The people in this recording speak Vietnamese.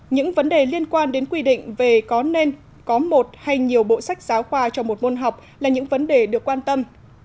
những vấn đề liên quan đến quy định về có nên có một hay nhiều bộ sách giáo khoa cho một môn học là những vấn đề được quan tâm